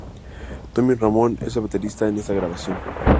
Tommy Ramone es el baterista en esta grabación.